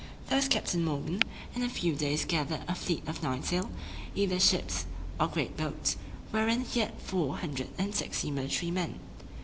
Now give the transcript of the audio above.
Thus Captain Morgan in a few days gathered a fleet of nine sail, either ships or great boats, wherein he had four hundred and sixty military men.